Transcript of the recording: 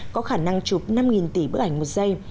có khả năng chụp năm tỷ bức ảnh một giây